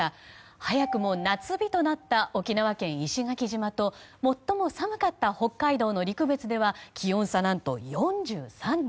早くも夏日となった沖縄県石垣島と最も寒かった北海道の陸別では気温差は何と４３度。